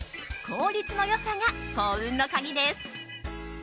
効率の良さが幸運の鍵です。